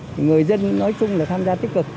thì người dân nói chung là tham gia tích cực